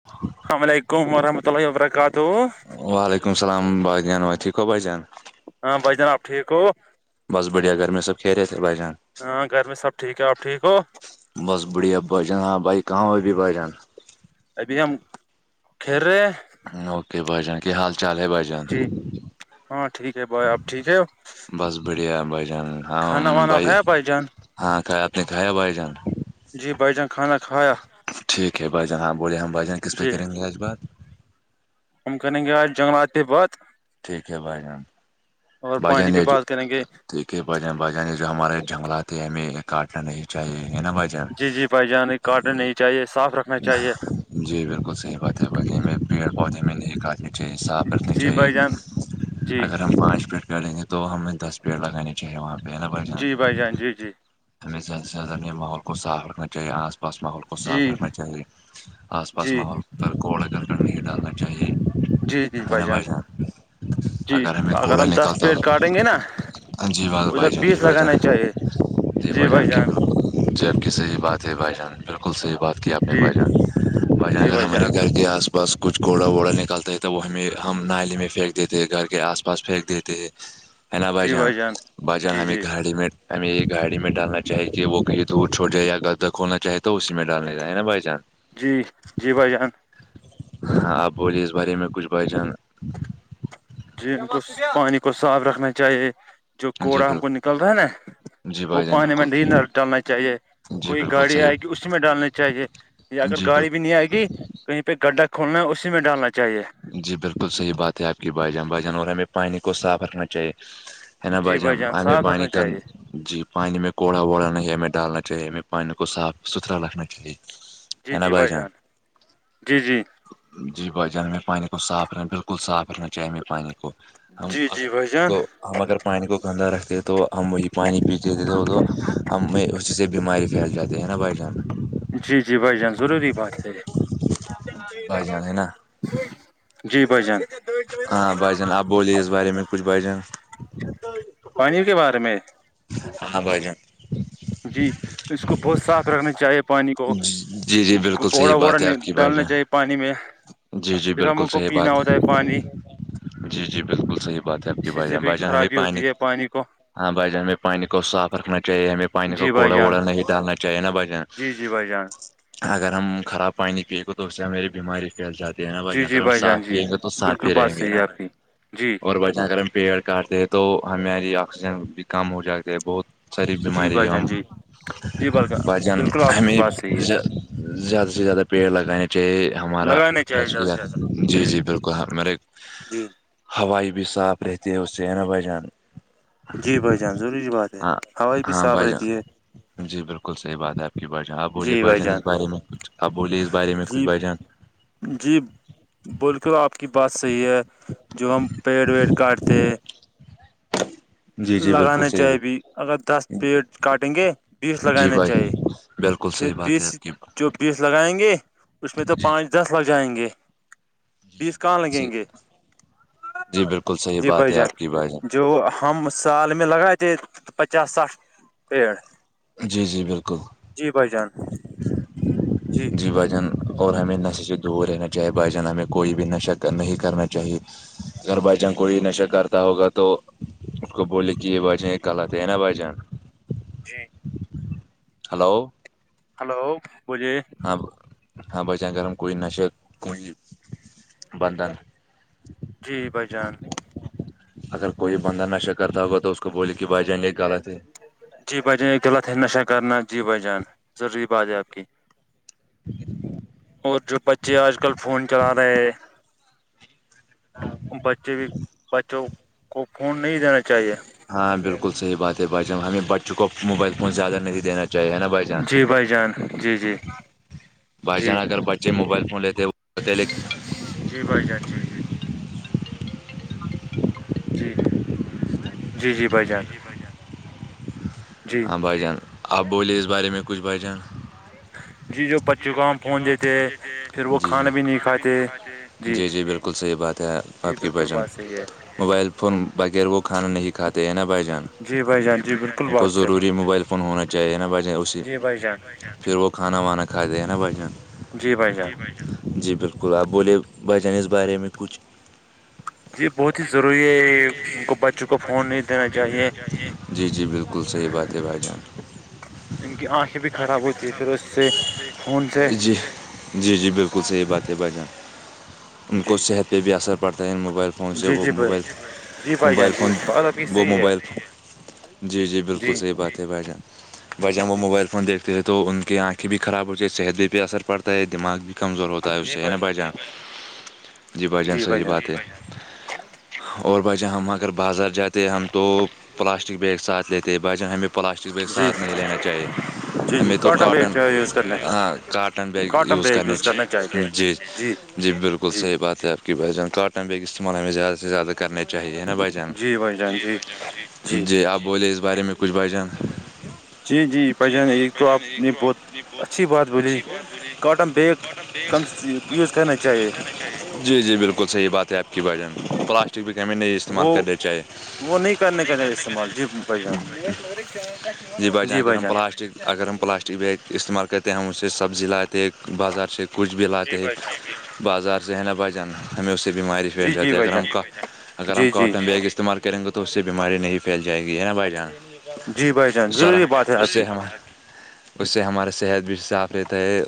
[unintelligible] و علیکم وورحمۃ اللہ وبرکاتہ وعلیکم السلام بغی عانواتیکا بچیان ہاں بھائی جناب ٹھیک ہو بس بڑیا گھر میں سب پھیریے تھے بجان ہاں گھر میں سب ٹھیک ہے آپ ٹھیک ہو بس بڑھیا بجان ہاں بھائی کہاں ہو بھی بجان ابھی ہم کھیرے اوکے بائی جان کی حال چال ہے بھائی جان جی ہاں ٹھیک ہے بائے آپ ٹھیک ہے بس بڑھیا بھائی جان ہاں کھانا وانا بھائی کھایا جان ہاں ک آپ نے کھایا بھائی جان جی بھائی جان کھانا کھایا ٹھیک ہے بھائی جان ہاں بولے ہم بھائی جان کس پہ جی کریں گے آج بات ہم کریں گے آج جنگلات بہت ٹھیک ہے بھائی جان اور پانی پہ بات کریں گے ب بھائی جان جو ہمارے جنگلات ہیں ہمیں یہ کاٹنا نہیں چاہیے نا بھ جی جی بھائی جان کاٹن نہیں چاہیے صاف رکھنا چاہیے جی بالکل صحیح بات ہے باقی ہمیں پیڑ پودے میں نہیں کھدنی چاہیے صاف رکھنی چاہیے [unintelligible] اگر ہم پانچ پٹ یں گے تو ہمیں دس پیڑ لگے چاہیے وہاں پہ ہے نا بائی جان جی بھائی جی جی ہمیں زیاد سے زیاد اپنے ماحول کو صاف رکھنا چاہیے آس پاس ماحول کو جی صاف رکھنا چاہیے آس پاس جی ماحول پر گھوڑا گرکن نہیں ڈالنا چاہیے بھائی جان جی اگر ہمیں گڑا ہم نہیں دس پیڑ کاٹیں گے نا اں جی بات ادھر بائی جان جی بیس بائی جان لگانا چاہیے جی بائی جان کی جبک صحی بات ہے بھائی جان بالکل صحیح بات کہ اپنے جی بھ جان بھ جان جی اگر بھائی ہمارے گھر کے آس پاس بس کچھ گھوڑا ووڑا نکلتا ہے تو وہ ہمیں ہم نالی میں پھینک دیتے ہیں گھر کے آس پاس پھینک دیتے ہے نہ جی بجان بھائی جان جی بجان میں جی گھاڑی میںین ہمیں ایک گاڑی میں ڈالنا چاہے کہ وہ کہیں دور چھوڑ جائے یا گغدہ کولنا چاہے تو اسی میں ڈالنے کااہ ہے نا بائی چانس جی جی بھائی جان آپ بولے اس بارے میں کچھ بائی جان ان کو پانی کو صاف رکھنا چاہیے جو جی کوڑا ہم کو بالکل نکل رہا ہے نا جی وہ بھائی جان پانی میں بالکل نہیں ڈالنا چاہیے جی کوئی بالکل گاڑی صحیح آئے گی اسی میں ڈالنی چاہیے یا اگر جی گاڑی بھی بالکل نہیں آئے گی کہیں پہ گڈھا کھولنا ہے اسی میں ڈالنا چاہیے جی بالکل صحیح بات ہے آپ کی بھائی جان بھائی جان اور ہمیں پانی کو صاف رکھنا چاہیے ہاں جی بھائی بجم جان آمیں صاف پانی رکھنا کند چاہیے جی پانی میں کوڑا ووڑا نہیں ہمیں ڈالنا چاہیے ہمیں پانی کو صاف ستھرا رکھنا چاہیے ہے نا بھائی جان جی جی جی بھائی جان میں پانی کو صاف رکھنا بالکل صاف رکھنا چاہیے ہمیں پانی کو ہم جی اگر جی بھائی پانی جان کو ہم اگر پانی کو گندہ رکھتے تو ہم وہی پانی پی دیتے تھ تو ہم میں اسی سے بیماری پھیل جاتی ہے نا بھائی جان جی جی بھائی جان ضرو کی بات ہے بھائی جان ہے نا جی بھائی جان ہاں بھائی جان آپ بولیے اس بارے میں کچھ بھائی جان پانی کے بارے میں ہاں بھائی جان جی اس کو بہت صاف رکھنا چاہیے پانی کو جی جی بالکل صحیح کوڑا ووڑا بات ہے آپ کی بھائی ڈالنا چاہیے جان پانی میں جی جی پھر بالکل ہم کو صحیح پینا بات ہوتا ہے پانی جی جی بالکل صحیح بات ہے آپ کی اسی بھائی سے جان بھی بھائی جان ہم خرابی بھی ہوتی ہے نہیں پانی کو ہاں بھائی جان ہمیں پانی کو صاف رکھنا چاہیے ہمیں پانی کو جی بھائی کوڑا جان ووڑا نہیں ڈالنا چاہیے نا بھائی جان جی جی بھائی جان اگر ہم خراب پانی پیے گے تو اس سے ہماری بیماری پھیل جاتی اور ہاں بھائی جی جان جی اگر ہم صاف جی ہیئیں گے تو صاف بالکل ہی بات رہیں گے صحیح ہے آپ کی جی اور اگر ہم پیڑ کاٹتے ہیں تو ہمیںاری آکسیجن بھی کم ہو جاتے ہے بہت ساری جی بیماری بھائی ہم جان جی جی بھائی جان بچان بالکل آپ کی بات صحیح ہے ہمیش زیادہ سے زیادہ پیڑ لگانے چاہیے ہمارا لگانا چاہیے زیادہ فشری سے زیادہ جی پیڑ جی بالکل مے جی ہوائی بھی صاف رہتی ہے اس سے ہےنا بھائی جان جی بھائی جان ضروری بات ہے ہاں ہوائی بھی ہاں صاف بھائی رہتی جان ہے جی بالکل صحیح بات ہے آپ کی بائی جان آب بوولے بھائی جان اس بارے میں کچھ اب بولیے اس بارے میں کچھ جی بھائی جان جی بول کے آپ کی بات صحیح ہے جو ہم پیڑ ویڈ کاٹتے جی جی بالکل لگانا صحیح بات چاہیے اگر دس پیٹ کاٹیں گے بیس جی لگانا بھائی چاہیے بالکل پھر صحیح بات ہے بیس آپ کی جو بیس لگائیں گے اس میں تو جی پانچ جی دس لگ جائیں گے جی جی بیس کہاں بالکل صحیح لگیں گے جی بالکل صحیح جی بات بھائی ہے آپ کی بھائی جان جو ہم سال میں لگائے تھے پچاس ساٹھ پیڑ جی جی بالکل جی بھائی جان جی بھائی جان اور ہمیں نشے سے دور رہنا چاہے بھائی جان ہمیں کوئی بھی نشہ نہیں کرنا چاہیے اگر بھائی جان کوئی نشہ کرتا ہوگا تو اس کو بولے کہ یہ غلط ہے نا بھائی جان جی ہیلو ہیلو بولیے ہاں ہاں بچیں گرم کوئی نشہ کوئی [inaudible] جی بھائی جان اگر کوئی بندہ نشہ کرتا ہوگا تو اس کو بوول کہ بھائی جان گے غلط ہے جی بھائی جان ایک غلت ہے نشہ کرنا جی بھائی جان ضروری بات ہے آپ کی اور جو بچے آج کل فون چلا رہے بچے بھی بچوں کو فون نہیں دینا چاہیے ہاں بالکل صحیح بات ہے بھائی جان ہمیں بچوں کو موبائل فون زیادہ نہیں دینا ہے نا بھائی جان جی بھائی جان جی جی بھائی جی جان اگر بچے موبائل فون لیتے لکھ جی بھائی جان جی جی جی جی جی بھائی جان جی ہاں بھائی جان آب بولی ا اس بارے میں کچھ بھائی جان جی جو بچوں کو ہم پون دیتے پھر وہ جی جی کھانا بھی نہیں کھاتے جی جی بالکل صحیح بات ہے جی آپ کی بالکل بجن بات صحیح ہے موبائل فون بغیر وہ کھانا نہیں کات ہیں ہےیننا بائی جان جی بھائی جان جی بالکل ان کو بات سے آپ ضروری کی موبائل فون ہونا چاہیے نہا جی بھائی جان پھر وہ کھانا وانا کھاتے ہیں نا جی بچن بھائی جان جی بالکل آپ بولے ب جان اس بارے میں کچھ جی بہت ہی ضروری ہے کو بچوں کو فون نہیں دینا چاہیے جی جی بالکل [inaudible] بالکل صحیح بات ہے بھائی جان ان کی آنکھیں آ خراب بھی ہوتی ہے پھر اس سے فون خاب سے [inaudible] جی جی جی بالکل صحیح بات ہے بھائی جان ان کو جی صحت پہ بھی اثر پڑتا ہے ان موبائل فون سے جی وہ جی بھائی موبائل جی بھائی جان موبائل جی فون بات آپ کی وہ صحیح ہے موبائل فون جی جی بالکل صحیح بات ہے بھائی جان ب جب وہ جی موبائل فون دیکھتے ہیں تو ان کی آنکھیں بھی خراب ہوتی ہے صحت بھی پہ اثر پڑتا ہے دماغ بھی کمزور ہوتا ہے اس سے ہے نا بھائی جان جی بھائی جان صحیح بات ہے اور بھائی جان ہم اگر بازار جاتے ہم تو پلاسٹک بیگ ساتھ لیتے ت باسے ہمیں پلاسٹک ب جی ساتھ نہیں ہی لینا چاہیے جی ہم جی تو بھی کاٹن یوز کرنا ہے ہاں کااٹن بیگ کاٹن یز بیگ یوز کرنچ کرنا چاہیے جی جی بالکل جی صحیح بات ہے آپ بائی جان ک کاٹن بیگ استعمال ہمیں زیادہ سے زیادہ کرنے چاہیے نا بجن جی بھائی جان جی جی آپ بولے اس بارے میں کچھ بجن ج [inaudible] جی جی بھ جان ایک تو آپ نے بہت اچھی بات بولی کاٹن بیگ بٹل د ک جا چاہیے کم یوز کرنا چاہیے [inaudible] جی جی بالکل صحیح بات ہے آپ کی بھجن پلاسٹک بھی کہ ہمیں نہیں استعمال وہ کرنے چاہیے وہ نہیں کرنے کا استعمال جی [inaudible] یہ بچان جی گ بھائی ہم جان پلاسٹک [inaudible] اگر ہم پلاسٹک بیگ استعمال کرتے ہیں ہم سے سبزی لاتے بازار چ کچھ بھی جی لاتے ہیں بھائی جان بازار سے ہے ن بجان ہمیں اس سے بیماری جی پھیل جی جاتی جی ہے بھائی اگر ہم جان کاف اگر ہم جی جی کاٹن بیگ استعمال کریں گے تو اس سے بیماری نہیں پھیل جائے گی نا بھائی جی بھائی جان سرح ضروری بات ہے آپ کی اسحمد [inaudible] اس سے ہمارا صحت بھی صاف رہتا ہے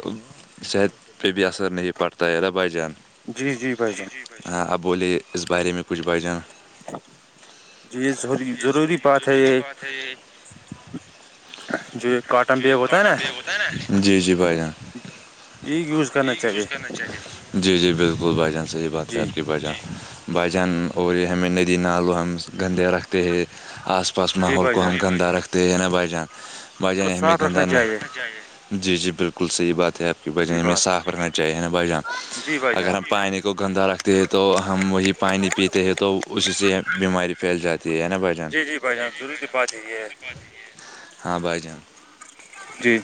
صحت پہ بھی اثر نہیں پڑتا ہے الر بھائی جان جی جی بھائی جان ہاں اب بولے اس بارے میں کچھ بھ جان جی ضروری [inaudible] ضروری بات ہے یہ جو کاٹن بیگ ہوتا ہے نا جی جی بھائی جان یہ یوز کرنا یہ چاہیے یوز کرنا چاہیے تھا [unintelligible] جی جی بالکل بائی چانس صحیح بات ہے جی آپ کی بائی جان بھجان اور یہ ہمیں ندی نال و ہم گندے رکھتے ہے آسا پاس جی ماحول بھائی کو جان ہم گندہ رکھتے ہیں نا بھائی جان بھائی کو جان ہمیں صاف گندا رکھنا چاہیے نہیں جی جی بالکل صحیح بات ہے آپ کی جی بجان ہمیں بات صاف رکھنا چاہیے نا بائی جان جی بھائی جان اگر ہم پانی کو گندا رکھتے ہیں تو ہم وہی پانی پیتے ہیں تو اسی سے بیماری پھیل جاتی ہے د ہے نا بچن [inaudible] جی جی بھائی جان ضروری بات ہے یہ [inaudible] ہاں بھائی جان جی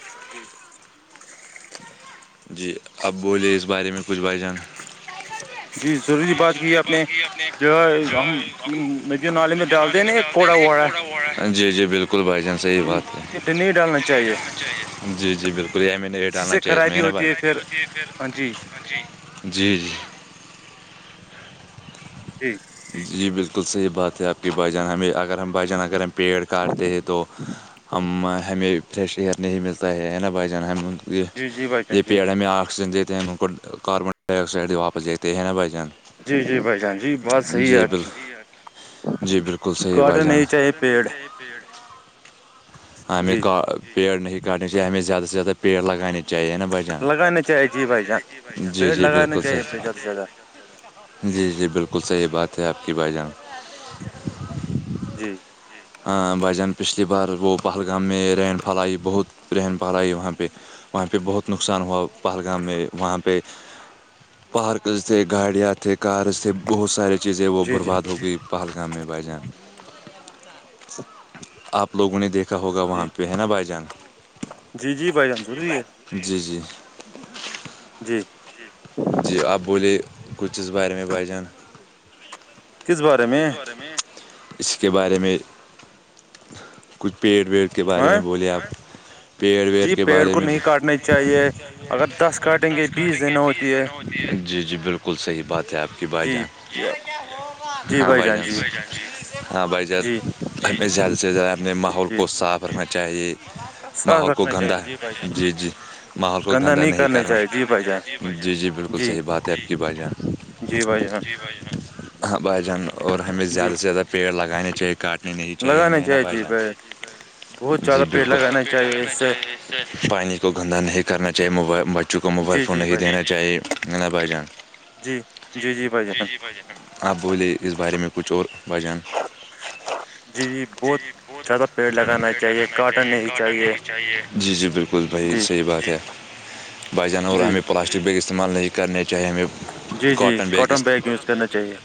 جی اب بولے اس بارے میں کچھ بھائی جان جی ضروری بات سوور آپ نے بعات کی اپنے جو ہم ندی نالے ج جے نے دیں میں ڈال د کوڑا نا ایک ووڑا گھوڑا [unintelligible] جی جی بالکل بھائی جانس [unintelligible] صحیح بات ہے یہ نہیں ڈالنا چاہیے جی جی بالکل یہ میں نہیں لیی اسی ڈالنا سے چاہیے تھا خرابی ما ب ہوتی ہے پھر ہاں جی جی جی [unintelligible] جی [unintelligible] جی بالکل صحیح بات ہے آپ کی بھجان ہمیں اگر ہم بھجن اگر ہم پیڑ کاٹتے ہیں تو [unintelligible] ہم ہمیں فریش ایئر نہیں ملتا ہے نا بھائی جان ہم [unintelligible] یہ جی جی بھائی یہ جان جی پیڑے میں آکسیجن دیتے ہیں ہم ان کو کاربن ڈائی آکسائڈ واپس دیتے ہیں نا بھائی جان [unintelligible] جی جی بھائی جان جی بات صحیح ہے جی آپ کی کو آارڈر نہیں چاہیے [unintelligible] پیڑ [unintelligible] یہ پیڑ [unintelligible] ہمیں جی پیڑ نہیں کاٹنے چاہیے ہمیں زیادہ سے زیادہ پیڑ لگانے چاہیے نا ب لگانا چاہیے جی بھائی جان [unintelligible] جی پیڑ جی لگانا بالکل سر چاہیے بے زیادہ سے زیادہ جی جی بالکل صحیح بات ہے آپ کی بھائی جان جی ہ بھائی جان پچھلی بار وہ پہلگام میں رین فال آئی بہت پن پہال آئی وہاں پہ وہاں پہ بہت نقصان ہوا پہلگام میں وہاں پہ پارکز تھے گاڑیاں تھے کارز تھے بہت سارے چیزیں وہ جی جی برباد ہو گئی پہلگام میں بھائی جان آپ لوگوں نے دیکھا ہوگا وہاں جی پہ ہے نا بھائی جان جی جی بھائی جان ضروری ہے جی جی جی جی آپ بولے کچھ اس بارے میں بائی جان کس بارے میں اس کے بارے میں کچھ پیڑ ویڑ کے بارے ہ میں بولے آپ پیڑ ویڑ جی کے پیڑ بارے کو میں نہیں کاٹنا چاہیے اگر دس کاٹیں گے بیس دن ہو جی جی بالکل صحیح بات ہے آپ کی بھائی جی جان ہاں بھائی جان ہاں بھائی ج جی ہمیں زیادہ سے زیادہ اپنے ماحول جی کو صاف رکھنا چاہیے صاف ماحول کو رکھنا گندا چاہیے جی بھائی جان جی جی ماحول کو گندا گندہ نہیں کرنا چاہیے جی بھائی جان جی جی بالکل صحیح بات ہے آپ کی بائی یہاں جی بھائی جان ہاں بھائی جان اور ہمیں زیادہ جی سے زیادہ پیڑ لگانے چاہیے کاٹ نہیں نہیں چاہیے لگانا ہمیں نا بھائی جی پیڑ بہت جان زیادہ جی پیڑ بالکل لگانا چاہیے اس لگا سے چاہیے پانی کو گندا نہیں کرنا چاہیے موبائل بچوں کو موبائل جی فون جی نہیں بھائی جان دین چاہیے بھ جان جی ج بھائی جی جان جی ب آپ بولے اس بارے میں کچھ اور بچان جی جی بہت زیادہ ا پیڑ لگانا چاہیے کاٹ نہیں چاہیے جی جی بالکل بھائی جی صحیح بات ہے بچےانور اور جی ہمیں پلاسٹک بیگ استعمال نہیں کرنے چاہے ہمیں جی جی کاٹن بیگ ک یوز کرنا چاہیے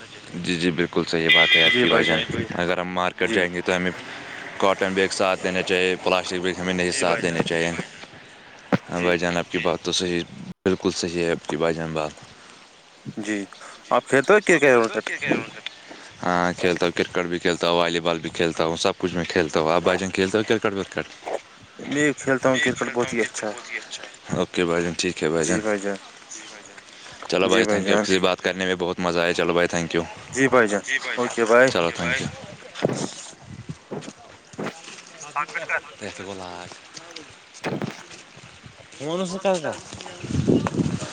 جی جی بالکل صحیح بات ہے آپ کی بھائی جان اگر ہم مارکیٹ جی جائیں گے تو ہمیں کااٹن بیگ ساتھ دینا چاہیے پلاسٹک بیگ ہمیں نہیں جی ساتھ بھائی دییننے جان چاہیے ہاں جی بھائی جان آپ کی بات تو صحیح بالکل صحیح ہے آپ کی بھائی جان بات جی آپ کھیلتے ہو کرکٹ ہاں کھیلتا کرکٹ بھی کھیلتا ہوں والی بال بھی کھیلتاوں سب کچھ میں کھیلتا ہوں آ ب جنگ کھیلتے تو کررکٹ ورکٹ ہ میں کھیلتا ہوں کرکٹ بہت ہی اچھا ہے اوکے بھائی جن ٹھیک بج جی بھائی جان چلو جی بھائی تھینک یو اپ جان سے بات کرنے میں بہت مزہ آیا چلو بھائی تھینک یو جی بھائی جان اوکے بائے چل لاش وون کل کا